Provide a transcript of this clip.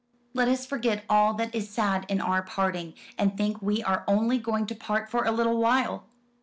Let us forget all that is sad in our parting, and think we are only going to part for a little while."